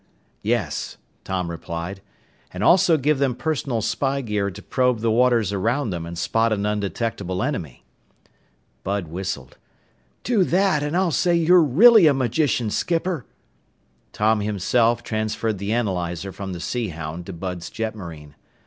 "Yes," Tom replied, "and also give them personal spy gear to probe the waters around them and spot an 'undetectable' enemy." Bud whistled. "Do that, and I'll say you're really a magician, skipper!" Tom himself transferred the analyzer from the Sea Hound to Bud's jetmarine.